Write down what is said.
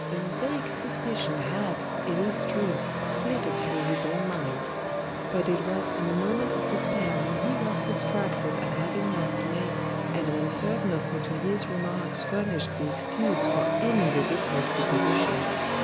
A vague suspicion had, it is true, flitted through his own mind; but it was in a moment of despair when he was distracted at having lost May, and when certain of Couturier's remarks furnished the excuse for any ridiculous supposition.